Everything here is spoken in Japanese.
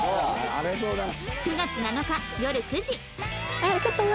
荒れそうだな。